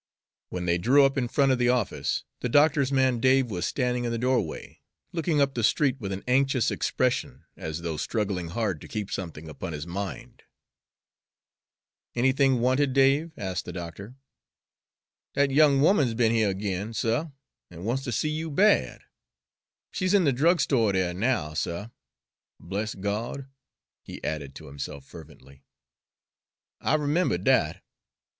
When they drew up in front of the office, the doctor's man Dave was standing in the doorway, looking up the street with an anxious expression, as though struggling hard to keep something upon his mind. "Anything wanted, Dave?" asked the doctor. "Dat young 'oman's be'n heah ag'in, suh, an' wants ter see you bad. She's in de drugstore dere now, suh. Bless Gawd!" he added to himself fervently, "I 'membered dat.